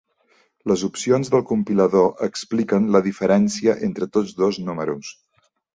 Les opcions del compilador expliquen la diferència entre tots dos números.